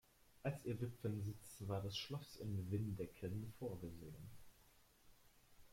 Als ihr Witwensitz war das Schloss in Windecken vorgesehen.